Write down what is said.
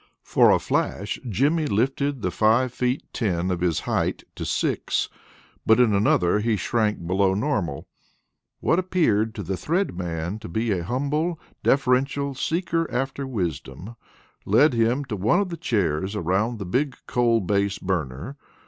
For a flash Jimmy lifted the five feet ten of his height to six; but in another he shrank below normal. What appeared to the Thread Man to be a humble, deferential seeker after wisdom, led him to one of the chairs around the big coal base burner.